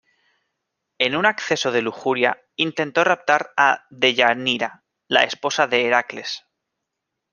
En un acceso de lujuria, intentó raptar a Deyanira, la esposa de Heracles.